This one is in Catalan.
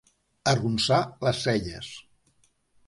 Arronsar les celles.